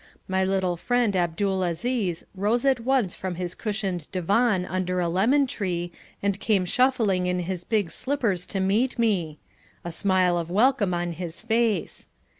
My little friend Abdul Aziz rose at once from his cushioned divan under a lemon tree and came shuffling in his big slippers to meet me, a smile of welcome on his face.